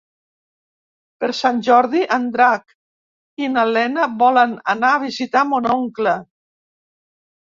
Per Sant Jordi en Drac i na Lena volen anar a visitar mon oncle.